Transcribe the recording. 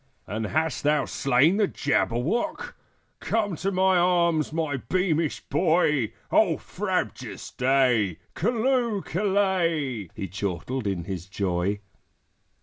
"And hast thou slain the Jabberwock? Come to my arms, my beamish boy! O frabjous day! Callooh! Callay!" He chortled in his joy.